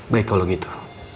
baik kalau gitu